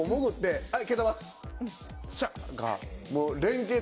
はい。